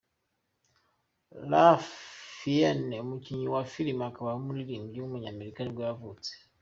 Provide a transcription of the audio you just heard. Ralph Fiennes, umukinnyi wa filime akaba n’umuririmbyi w’umunyamerika nibwo yavutse.